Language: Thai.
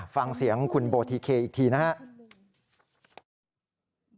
ฟังเสียงคุณโบทีเคอีกทีนะครับ